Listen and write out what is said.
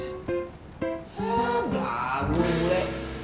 ya blagun gue